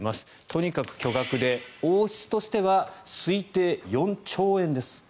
とにかく巨額で王室としては推定４兆円です。